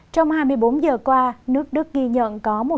trong hai mươi bốn giờ qua nước đức ghi nhận có